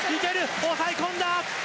抑え込んだ！